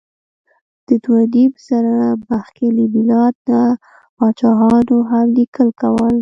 د دوهنیمزره مخکې له میلاد نه پاچاهانو هم لیکل کول.